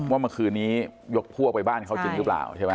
ว่ามันคืนนี้ยกพ่อไปบ้านเขาจริงหรือเปล่า